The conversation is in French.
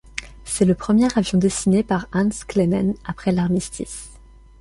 C’est le premier avion dessiné par Hanns Klemm après l'armistice.